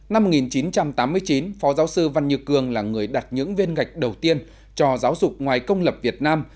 năm một nghìn chín trăm tám mươi chín phó giáo sư văn như cường là người đặt những viên gạch đầu tiên cho giáo dục ngoài công lập việt nam